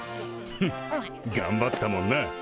フッがんばったもんな。